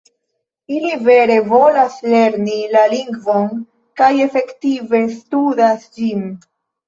Ili vere volas lerni la lingvon kaj efektive studas ĝin.